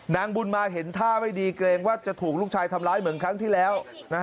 นางบุญมาเห็นท่าไม่ดีเกรงว่าจะถูกลูกชายทำร้ายเหมือนครั้งที่แล้ว